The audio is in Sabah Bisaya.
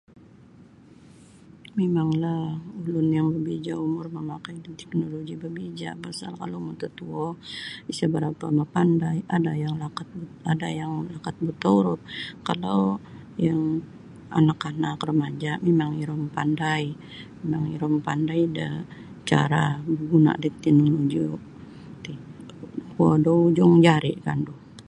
Mimanglah ulun yang babija umur mamakai da teknoloji bebija pasal kalau matutuo isa barapa mapandai ada yang lakat buta huruf. Kalau yang anak-anak remaja mimang iro mapandai mimang iro mapanadai da cara mengguna da teknoloji ti kuo da ujung jari kandu.